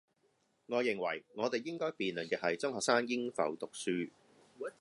我認為，我哋應該辯論嘅係，中學生應否讀書?